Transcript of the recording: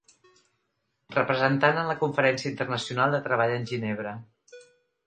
Representant en la Conferència Internacional de Treball en Ginebra.